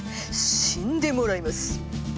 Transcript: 死んでもらいます！